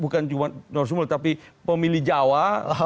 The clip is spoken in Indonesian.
bukan cuma non sumul tapi pemilih jawa